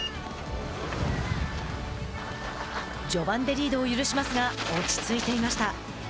序盤でリードを許しますが落ち着いていました。